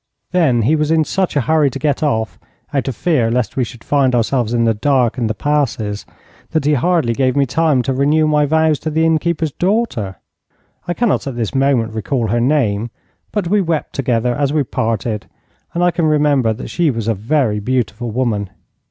Then he was in such a hurry to get off, out of fear lest we should find ourselves in the dark in the passes, that he hardly gave me time to renew my vows to the innkeeper's daughter. I cannot at this moment recall her name, but we wept together as we parted, and I can remember that she was a very beautiful woman.